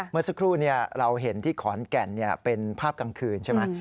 เมื่อสักครู่เราเห็นที่ขอนแก่นเป็นภาพกลางคืนใช่ไหม